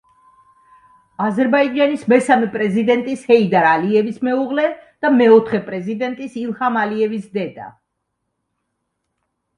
აზერბაიჯანის მესამე პრეზიდენტის ჰეიდარ ალიევის მეუღლე და მეოთხე პრეზიდენტის ილჰამ ალიევის დედა.